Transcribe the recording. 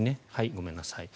ごめんなさい。